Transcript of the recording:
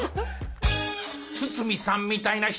堤さんみたいな人